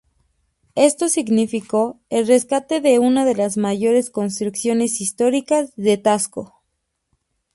Esto significó el rescate de uno de las mayores construcciones históricas de Taxco.